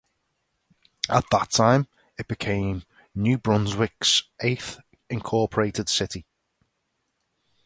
At that time it became New Brunswick's eighth incorporated city.